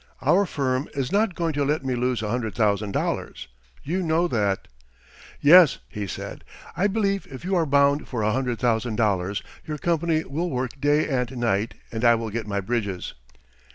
Our firm is not going to let me lose a hundred thousand dollars. You know that." "Yes," he said, "I believe if you are bound for a hundred thousand dollars your company will work day and night and I will get my bridges."